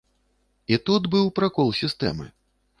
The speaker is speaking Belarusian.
І тут быў пракол сістэмы.